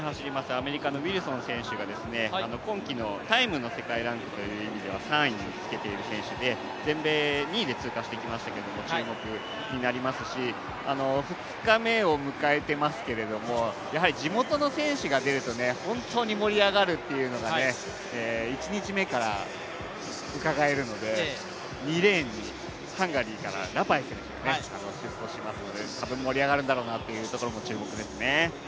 アメリカのウィルソン選手が今季のタイムの世界ランクという意味では、３位につけている選手で全米２位で通過してきましたが注目になりますし、２日目を迎えてますけれども地元の選手が出ると本当に盛り上がるというのが１日目からうかがえるので、２レーンにハンガリーから、ラパイ選手が出走しますので多分盛り上がるんだろうなというところも注目ですね。